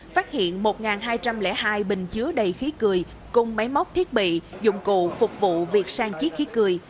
phát hiện một hai trăm linh hai bình chứa đầy khí cười cùng máy móc thiết bị dụng cụ phục vụ việc sang chiếc khí cười